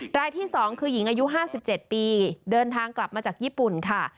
รายที่๒คือหญิงอายุ๕๗ปีเดินทางกลับมาจากญี่ปุ่นค่ะ